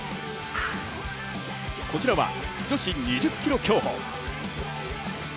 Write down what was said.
こちらは女子２０ｋｍ競歩。